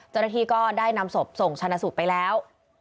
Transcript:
จนทีก็ได้นำศพส่งชนะสุดไปแล้ว